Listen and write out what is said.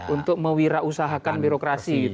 untuk mewirausahakan birokrasi